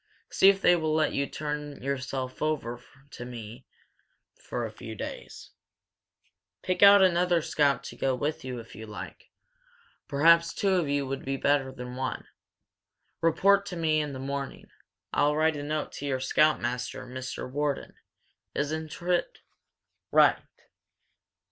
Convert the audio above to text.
See if they will let you turn yourself over to me for a few days. Pick out another scout to go with you, if you like. Perhaps two of you would be better than one. Report to me in the morning. I'll write a note to your scoutmaster Mr. Wharton, isn't it? Right!"